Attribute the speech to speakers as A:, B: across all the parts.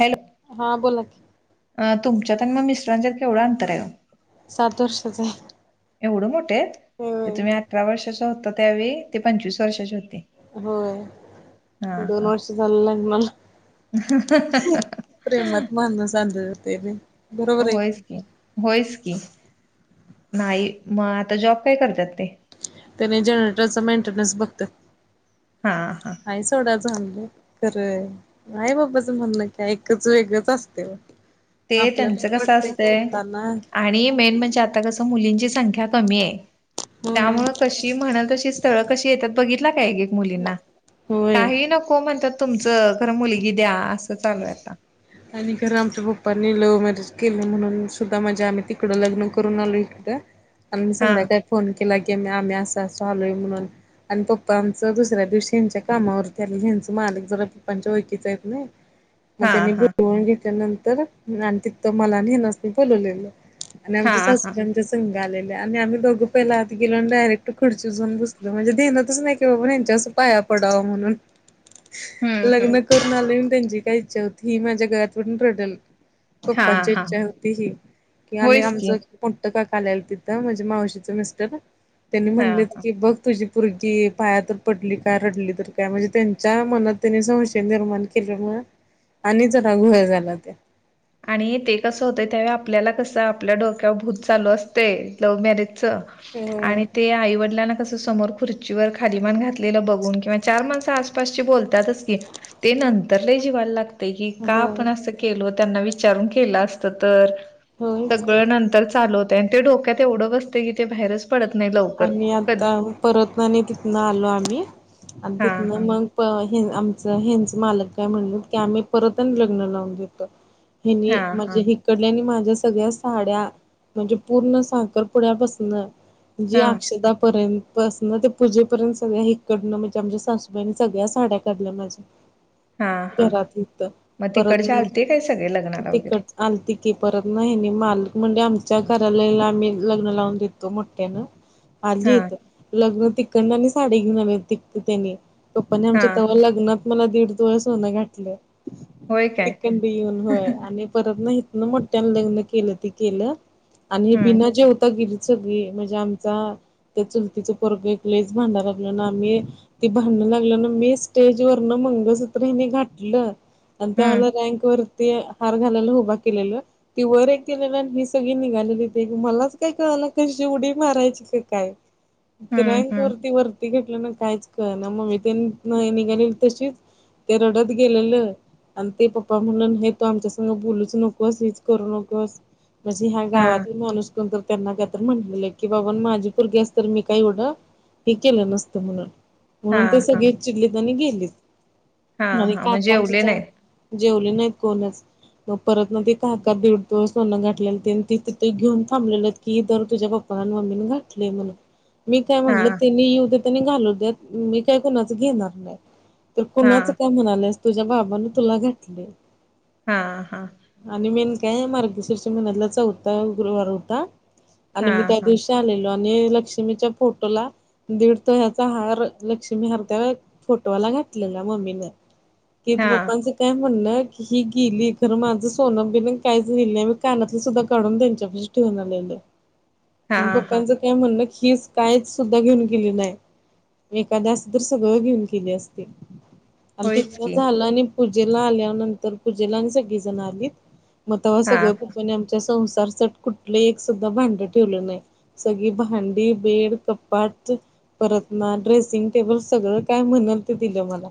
A: Hello
B: हा बोला की
A: अ तुमच्यात आणि मग मिस्टरांच्यात मग केवढं अंतर आहे हो
B: सात वर्षाचा
A: एवढं मोठे आहेत
B: आहे.
A: तुम्ही अठरा वर्षाच्या होता त्यावेळी ते पंचवीस वर्षाचे होते
B: होय दोन वर्ष झालं लग्नाला
A: हं हं हं
B: प्रेमात मानुस आंधळं होतंय बई बरोबर आहे
A: होयच की होयच की नाही मग आता जॉब काय करतात ते
B: त्यांनी जनरेटरचा मेंटेनन्स बगत्यात.
A: हा हां
B: हाय सोडा चांगल खरं आई बाबाचं म्हणणं कायं एकच वेगळच असतयं व्ह
A: ते
B: आपल्याना
A: त्यांचं
B: एक
A: कसं
B: वाटतंय
A: असतंय
B: करताना
A: आणि मेन म्हणजे आता कस मुलींची संख्या कमी आहे
B: होय
A: त्यामुळे कशी ती म्हणल तशी स्थळ कशी येतात बघितला काय एक एक मुलींना
B: होय.
A: काही नको म्हणतात तुमचं खर मुलगी द्या असं चालू हाय आता
B: आणि खरं आमच्या पप्पांनी लव मॅरज केल म्हणून सुद्धा माझ्या आम्ही तिकडं लग्न करून आलोयं आणि मी
A: हा
B: संध्याकाळी फोन केला की आम्ही असं असू आलोय म्हणून आणि पप्पा आमचं दुसऱ्या दिवशी ह्यांच्या कामावरतीले ह्यांचे मालिक जरा पप्पांच्या ओळखीचं आहेत नाही
A: [unintelligible]
B: मग त्यांनी
A: हा
B: [unintelligible] घेतल्यानंतर आणि तिथं मला आणि हेनासनी बोलवलेलं आणि आमच्या
A: हा हा
B: सासू सास संघ आलेले आणि आम्ही दोघं पहिला आत गेलो आणि डायरेक्ट खुर्चीवर जाऊन बसलो म्हणजे ध्यानात च नाही की आपण यांच्या समोर पाया पडाव म्हणून
A: हम्म
B: लग्न
A: हम्म
B: करून आलोय त्यांची काय इच्छा होती माझ्या गळ्यात पडून रडल
A: हा
B: पप्पाची
A: हा
B: इच्छा होती ही की आमी
A: होयच की
B: आमच मोठं काका आलेलं तिथं म्हणजे मावशीचं मिस्टर त्यांनी
A: हा
B: म्हणलेत
A: हा
B: की बघ तुझी पोरगी पाया तर पडली काय रडली तर काय म्हणजे त्यांच्या मनात त्यांनी संशय निर्माण केल्यामुळ आणि जरा घोळ झाला त्या
A: आणि ते कसं होतंयं त्यावेळी आपल्याला कसं आपल्या डोक्यावर भूत चालू असतयं लव्ह मॅरेज च
B: होय
A: आणि ते आईवडिलांना कस समोर खुर्चीवर खालीमान घातलेलं बघून किंवा चार माणस आसपासची बोलतातच की ते नंतरला जिवायला लाग की का
B: होय
A: आपण असं केल त्यांना विचारून केलं असत तर...
B: होयच की.
A: सगळं नंतर चालू होत आणि ते डोक्यात एवढं बसते कि ते बाहेरच... पडत नाही लवकर कध
B: परतना नाही तिथनं आलो आम्ही आणि
A: हा
B: तिथनं
A: हा
B: मग प हे आमचं हेंच मालक.. का म्हण की आम्ही परत लग्न लावून देत हेली
A: हा हा
B: म्हणजे इ कडल्याने माझ्या सगळ्या साड्या म्हणजे पूर्ण साखरपुड्यापासन... जी
A: हा
B: अक्षतापर्यंत. बसन ते पूजेपर्यंत सगळ्या इकडनं म्हणजे आमच्या सासूबाईनी सगळ्या साड्या काढल्या माझ्या.
A: हा हा
B: घरात य
A: मग
B: परत
A: तिकडचे आलते काय सगळे लग्नाला वगैरे
B: तिकडचं. आल त की परत नाही नाही माल म्हणजे आमच्या घराला आम्ही लग्न लावून देतो. त्यानं आली
A: हां,
B: येत लग्न तिकं न आणि साडी घेऊन त त्यानी. पप्पाने आमच्या
A: हां,
B: त्याव
A: हां.
B: लग्नात मला दीड तोल सोन घातलं.
A: होय काय?
B: तिकून बी येऊन होय आनी.... परत न हितन मोठ्यानं लग्न केल तें केल आनी
A: हं,
B: बिना जेवता गेली सगळी म्हणजे ेत्या आमचा त्या चुलतीच पोरग एक लईच भांडाय लागलो ना आम्ही.. ती भांडणं लागलं ना मी स्टेज वरन मंगळसूत्र हिनी घातलं.. आणि त्या
A: हं,
B: म्हाला रँक वरती हार घालायला उभा केलेला.. ती वर एक केलेला ही सगळी निघालेली ते मलाच काय कळालं कशी उडी? मारायच का काय तें
A: हं,
B: रँक
A: हं.
B: वरती वरती घेतलं ना कायच.. का ना मग् मी ते निघाले तशीच ते रडत गेलेलं... आणि ते पप्पा म्हणलं हे तू आमच्या सग बोलूच नकोस हेच करू नकोस.. म्हणजे ह्या
A: हां,
B: गावातील माणूस कोणत त्यांना का तर म्हटलेले. की बाबा माझी पोरगी अस तर मी काही एढं हे केलं नसतं म्हणून. म्हणून ते
A: हां, हां,
B: सगळी चिडलीत आणि गेलीत
A: हां,
B: आणि
A: हां. मग
B: काकांची
A: जेवले
B: तर
A: नाहीत.
B: जेवले नाहीत कोणच. परत ना ते काका दीड तोल सोन घातलेल ते तिथे घेऊन थांबलेलं की दर तझ्या पप्पा पप्पा न मम्मीनें घातलेल मी काय म्हणलं
A: हां,
B: तेनी येउदेत घालू द मी काही कुणाचं घेणार नाही तर कुणाच
A: हां,
B: काय म्हणालिस... तुझ्या बापाने तुला घातले.
A: हा हा.
B: आणि मेन काय मार्गषिश महिन्यातला चौथा गुरुवार होता आणि मी
A: हां,
B: काय?
A: हां,
B: च्या नेलेलो आणि लक्ष्मीच्या फोटोला... दीड तोल्याचा हार लक्ष्मी हरत्या फोटोला घातलेला मम्मीने.. [unintelligible]
A: हां,
B: त्या म्हणलं की ही गेली खरं माझं सोनं बिन काहीच गेल नाही मी कानातलं सुद्धा काढून त्यांच्यापाशी ठेऊन आलेली...
A: हां, हां.
B: पप्पांचं काय म्हणण हीच कायच सुद्धा घेऊन गेली नाय. एखादी असती तर सगळं घेऊन गेली असती. आणि
A: होयच
B: तिथ
A: की.
B: झालं आणि पूजेला आल्यानंतर पूजेला आणि सगळी जणआली. म तवा
A: हां,
B: सगळं पप्पानी आमच्या संसारसाठी कुठलं एक सुद्धा भांड ठेवलं नाही. सगळी भांडी बेड, कपाट.... परत ना ड्रेसिंग टेबल सगळं काय म्हणाल ते दिलं मला.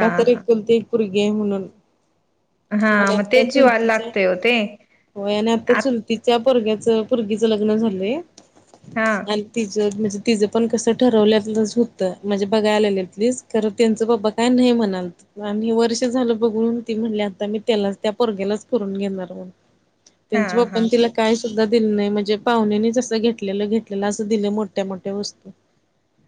B: का तर
A: हां.
B: एकुलती एक पोरगी हाय म्हनून..
A: हां,
B: मला
A: मग
B: आता
A: तेच जीवाला
B: चुलतीचा
A: लागतंय हो ते.
B: हो आणि आता
A: आत
B: चुलती तिच्या पोरग्याच, पोरगीच ल ग्न झालंय.
A: हा. हा.
B: आणि तिजं म्हणजे तिचं पण कसं ठरवल्या होतं म्हणजे बघायला आलेल्यांनीच... तरी त्यांचं बाबा काय नाही म्हणालत. आणि वर्ष झालं बघून ती म्हणले आता मी त्याला त्या पोरगल्याच करून घेणार म्ह त्यांच्या
A: हां,
B: पप्पा
A: हां,
B: नी तिला काय सुद्धा दिलं नाही म्हणजे पाहुण्यांनीच... जस घेतलेलं घेतलेलं असं दिलं मोठ्या मोठ्या वस्तू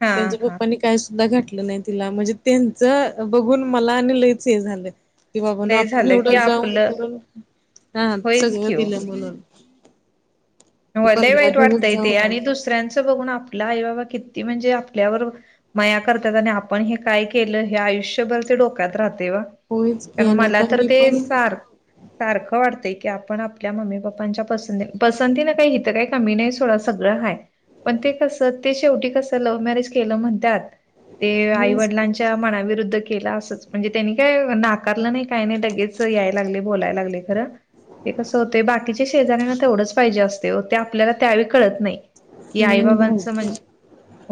A: हां,
B: त्यांच्या
A: हां.
B: पप्पानी... काय सुद्धा घातलं नाही तिला म्हणजे त्यांच बघून मला आणि लयच हे झालं. ते बाबाना
A: लय
B: आपण
A: झालं की
B: एवढं जाऊन
A: आपलं
B: कर हा
A: होयच
B: सगळं
A: की ओ.
B: दिलं म्हणून की
A: मलाही
B: पंधरा
A: वाईट
B: दिवस
A: वाटतंय ते
B: जाऊन
A: आणि
B: आले
A: दुसऱ्यांचं बघून आपला आई बाबा किती म्हणजे आपल्यावर मया करतात आणि आपण हे काय केलं हे आयुष्यभर ते डोक्यात राहताय ओ.
B: होयच की
A: कारण
B: आणि
A: मला
B: आता
A: तर
B: मी
A: ते
B: पण
A: सार सारखं वाटतंय की आपण आपल्या मम्मी पप्पांच्या पस पसंती न का हिथं काही कमी नाही सोडं सगळं हय पण ते कसं ते शेवटी कसं लव्ह मॅरेज केलं म्हणतात. ते
B: मेन
A: आईवडिलांच्या मनाविरुद्ध केल असच म्हणजे त्यांनी काय नाकारलं नाही काही नाही लगेच यायला लागले बोलायला लागले खरं ते कसं होतें बाकीच्या शेजऱ्यांना तेवढंच पाहिजे असते ते आपल्याला त्यावेळी कळत नाही. की आई बाबा
B: भावकी
A: समज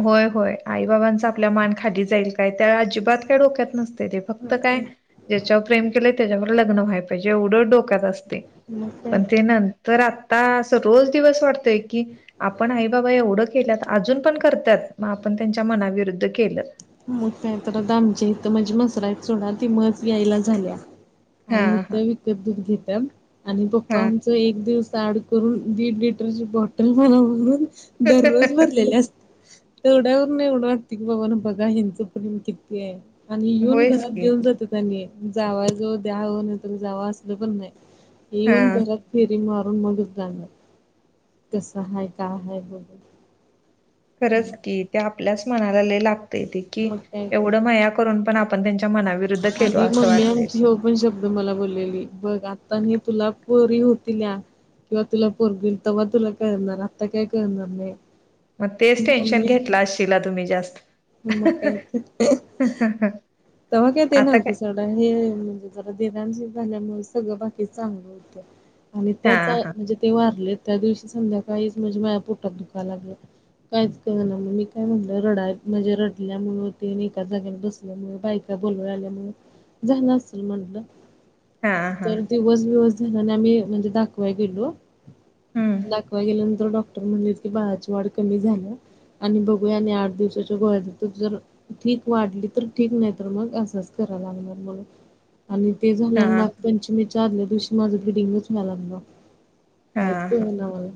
A: होय होय आई बाबांचा आपल्या मान खाली जाईल काय त्या अजिबात काय डोक्यात नसते र ते फक्त काय ज्याच्यावर प्रेम केलंय त्याच्यावर लग्न व्हायला पाहिेजे डोक्यात असत.
B: मग काय
A: पण ते
B: तर
A: नंतर आता अस रोज दिवस वाटतय की, आपण आई बाबा एवढं केल्यात अजून पण करतात मग आपण त्यांच्या मनाविरुद्ध केलं.
B: मग काय तर दामचे इथ म्हणजे मसरा आहेत चोडा त मच यायला झाल्या [inaudible] आणि
A: हां, हां,
B: इथं विकत दूध घता आणि पप्पा
A: हां.
B: आमचा एक दिवसा आड करून दीड लीटर ची बॉटल मला दररोज तेवढ्यावर नाही एवढं वाटत की बाबा ना बघा हच प किती. आणि येऊन
A: होयच
B: घरात
A: की.
B: देऊन जाते. जावा जव द्यावं नाही तर जावं असलं पण नाही येऊन
A: हां,
B: घरात फिरी मारून मगच जाणार. कसं आहे का? आहे बोल
A: खरंच की ते आपल्याच मनाला लइ लागते ते कि
B: मग काय तर
A: एवढं मया करून पण आपण त्यांच्या मनाविरुद्ध केलो
B: आणि
A: असं
B: मम्मी
A: वाटत,
B: आमची ह्यो पण शब्द मला बोललेली बघ आता ह तुला पोरी होतील्या. किंवा तुला पोरगी होईल तेव्हा तुला करणार आता काय करणार नाही.
A: मग तेच टेन्शन
B: मम्मी
A: घेतलं असशला तुम्ही जास्त
B: मग काय तर
A: ह ह हं
B: तेव्हा काय ते नव्हतं सगळं हे म्हणजे जरा देरांशी झाल्यामुळे सगळं बाकी चांगलं होतं. आणि त्याच
A: हां, हां,
B: म्हणजे ते वारले त्या दिवशी संध्याकाळीच म्हणजे माया पोटात दुकाला लागलं. कायच कर ना म्ह मी काय म्हटलं रडा म्हणजे रडल्यामुते आणि एकाच जाग्या बसल्यामु बायका बोल आल्या असल म्हटलं
A: हां, हां.
B: तर दिवस दिव ने आम्ही म्हणजे दाखवा गेलो
A: हं.
B: दाखवा गेल्यानंतर डॉक् म्हणले की बाळाची वाढ कमी झाली. आणि बघूया आणि आठ दिवसाच्या गोळ्यात तर जर ठीक वाढली तर ठीक नाही. अस असं करायला लागणार आणी ते झालं आणी
A: हां,
B: नागपंचमी विचारल्या दिवशी माझं ब्लीडींग च व्यायला लागलं कायच
A: हां,
B: हो
A: हां.
B: नावाला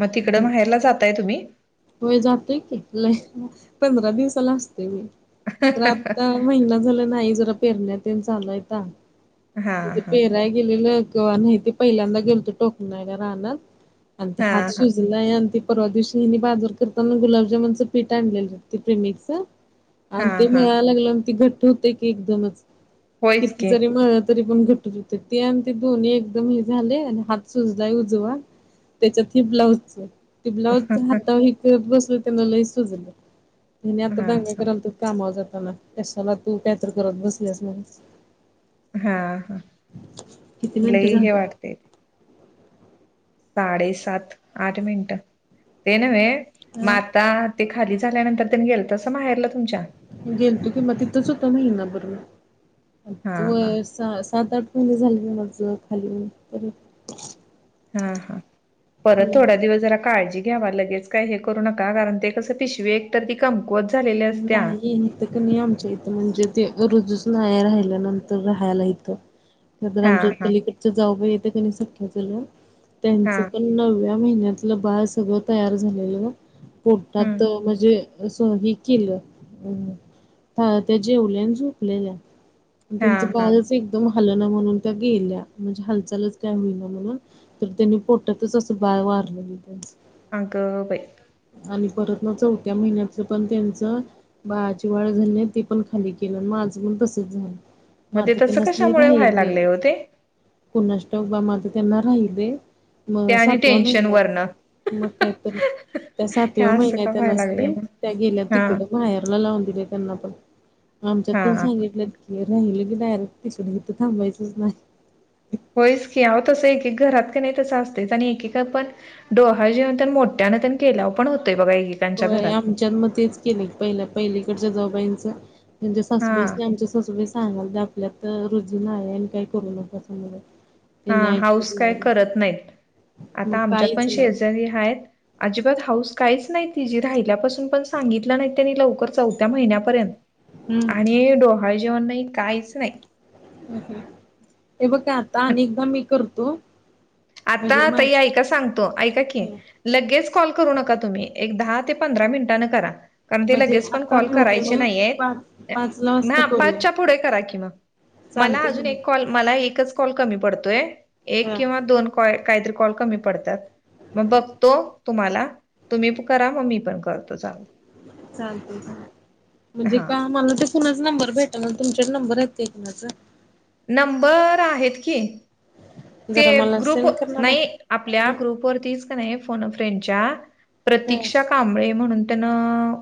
A: मग तिकडं माहेरला जाताय तुम्ही
B: होय जातोय की ल पंधरा दिवसाला असतेय मी महिना झाला नाही जरा पेरण्या तेन चालयता
A: हां,
B: ते
A: हां.
B: पेराय गेलेलं ्हा ते पहिल्यांदा गेलतो टोक नाहीला राह आणि ते हात
A: हां, हां.
B: शज ती परवा दिवशी हिनी बाजर करताना गुलाबजामनचं पीठ आणलेलं होते प्रीमिक्स च आणि
A: हां,
B: ते
A: हां.
B: म्हळायला लागलं ती घट्ट होते की एकदमच
A: होयच
B: किती
A: की.
B: जरी म्हळत तरी पण घटत होते ते आणि ते दोन्ही एकदम हे झाले आणि हात सुजलाय उजवा त्याच्यात ह ब्लाउज ते ब्लाऊज
A: हां,
B: हाता वर करत बसलं त्यांना लई सुजलं त्यानी आता दांगा
A: हां.
B: करालत कामावर जाताना कशाला तु काय तर करत बसलेस म्हणून
A: हा हा
B: किती मिनिटं
A: लई हे
B: झालं
A: वाटते साडेसात आठ मिनिट ते न्हे
B: हा
A: आता ते खाली झाल्यानंतर त्यांनी गेलं तसं माहेरलं तुमच्या?
B: गेल तु कि मग तिथंच होतो महिना भर मी
A: हां, हां.
B: होय सात आठ महिन झाले माज खाली होऊन
A: हा हा परत थोडा
B: हम्म.
A: दिवस जरा काळजी घ्यावा लगेच काय हे करू नका कारण ते कसं पिशवे तर ती कमकुवत झालेली असत्या.
B: नाही ते क नि आमच्या इथं म्हणजे ते रूजूच नाही राहिल्या नंतर राहायला इथं आमच्या
A: हां, हां.
B: पलीकडचे जाऊ बाई येते क नाही सखे चुलत त्यांच
A: हां.
B: पण नवव्या महिन्यातलं बाळ सगळं तयार झालेलं
A: हं.
B: पोटात म्हणजे असं हे केलं त्या जेवल्यान झोपलेल्या
A: हा
B: त्यांचं
A: हा
B: बाळच एकदम हल ना म्हणून त्या गेल्या म्हणजे हालचालच काय होईना म्हणून तर त्यांनी पोटतच असं बाळ वारलेली
A: आग बाई
B: आणि परत ना चौथ्या महिन्यातलं पण त्यांचं बाळाची वाढ झाली ते पण खाली केलं मग आज पण तसंच झालं
A: मग ते
B: मात
A: तसं
B: त्यांनाच नाही
A: कशामुळे व्हायला
B: राहिल र
A: लागले हो ते
B: पुणाष्ट बा आता त्यांना राहिले
A: ते
B: मग
A: आणि
B: सातवा
A: टेन्शन
B: महिना
A: वरनं
B: आहे मग काही तरी
A: हे
B: त्या सातव्या
A: असं का
B: महिन्यात
A: व्हायला लागलंय
B: नसले
A: मग
B: त्या गेल्या
A: हा
B: तिकडं माहिरला लावून दिले त्यांना पण आमच्यात
A: हा
B: पण
A: हा.
B: सांगितलेत की राहिलं की डायरेक्ट तिथं इथं थांबायच नाही.
A: होईस की ह तसं एकक घरात का नाही तसं असतेच आणि एकेका पण डोहाळ जेवन तर मोठ्यानं केला पण होतोय बघा
B: हो
A: एकेकांच्या घरात
B: आमच्या मग तेच केले पहिल्या पहिलीकडच्या जावूबाईंच त्यांच्या
A: हा
B: सासूबाईस आमच्या सासूबाईस सांगाल आपल्यात तर रुजू नाही आहे आणि काही करू नका असं
A: हा हाऊस काय करत नाहीत आता
B: मग
A: आमच्यात पण
B: काहीच नाही
A: शेजारी आहेत. अजिबात हाऊस काहीच नाही तिची राहिल्यापासून पण सांगितलं नाही त्यांनी लवकर चौथ्या महिन्यापर्यंत
B: हम्म
A: आणि डोहाळ जेवण नाही काहीच नाही
B: हे बघ काय आता आणि एकदा मी करतो म्हणजे
A: आता
B: माझ
A: ताई ऐका सांगतो ऐका की लगेच कॉल करू नका तुम्ही एक दहा ते पंधरा मिनिटान करा. कारण ते
B: म्हणजे
A: लगेच पण
B: आता
A: कॉल
B: राहू दे
A: करायचे
B: मग
A: नाही
B: पाच
A: हेत
B: पाचला वाजता
A: हा
B: करूया
A: पाचच्या पुढे करा कि मग. मला
B: चालतंय की
A: अजून
B: नाही?
A: एक कॉल मला एकच कॉल कमी पडतोय एक
B: हा
A: किंवा दोन. काय काहीतरी कॉल कमी पडतात. मग बघतो तुम्हाला तुम्ही पण करा मग मी पण करतो चालतंय
B: चालतंय चालतंय म्हणजे
A: हा
B: का मला ते कुणाच नंबर भेटा ना तुमच्या कड नंबर आहे का ताई कुणाचा?
A: नंबर आहेत की. ते
B: जरा मला
A: ग्रुप
B: सेंड करणारा
A: नाही आपल्या
B: हम्म
A: ग्रुपवरतीच का नाही फोन फ्रेंडच्या.
B: हम्म
A: प्रतीक्षा कांबळे म्हणून त्यांनं.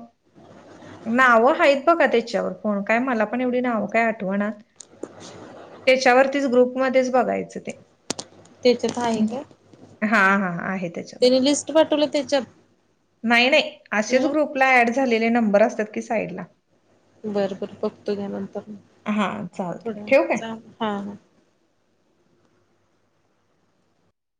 A: नावं आहेत बघा त्याच्यावर कोण काय मला पण एवढी नावं काय आठवत आठवण त्याच्यावरतीच ग्रुप मध्ये बघायचं ते
B: त्याच्यात आहे का
A: हा. हा. आहे
B: त्यानी
A: त्याच्यामध्ये.
B: लिस्ट पाठवलं त्याच्यात
A: नाही. नाही. असेच
B: म
A: ग्रुपला ऍड झालेले नंबर असतात की साईडला.
B: बरं बर बघतो घ्या नंतर म
A: हा
B: थोड
A: चालतंय ठेवू काय?
B: हा. हा.